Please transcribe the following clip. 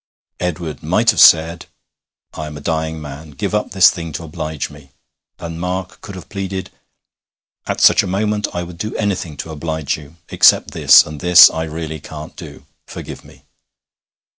Edward might have said: 'I am a dying man: give up this thing to oblige me.' And Mark could have pleaded: 'At such a moment I would do anything to oblige you except this, and this I really can't do. Forgive me.'